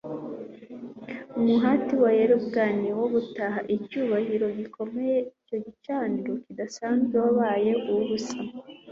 Umuhati wa Yerobowamu wo gutahana icyubahiro gikomeye icyo gicaniro kidasanzwe wabaye uwubusa